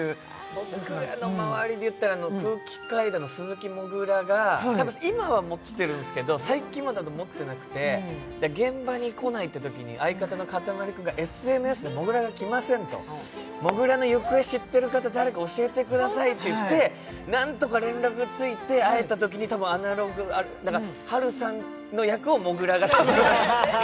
僕らの周りで言ったら空気階段の鈴木もぐらが、多分今は持ってるんですけど、最近まで持ってなくて、現場に来ないといったときに、相方のかたまり君が、ＳＮＳでもぐらが来ませんと、もぐらの行方を知っている方、誰か教えてくださいと何とか連絡ついて会えたときにたぶん「アナログ」の玻瑠さんの役をたぶんもぐらが。